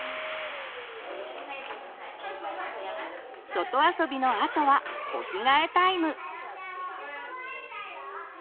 外遊びのあとはお着替えタイム。